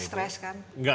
terima kasih bu